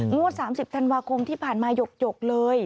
งวด๓๐ธันวาคมที่ผ่านมาหยกเลย